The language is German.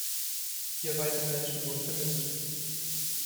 Vier weitere Menschen wurden vermisst.